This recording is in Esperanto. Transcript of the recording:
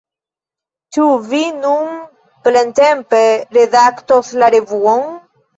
Ĉu vi nun plentempe redaktos la revuon?